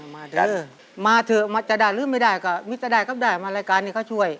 มาเถอะมาเถอะจะได้หรือไม่ได้ก็มีจะได้ก็ได้ครับได้มารายการนี้เขาช่วย